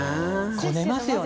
こねますよね。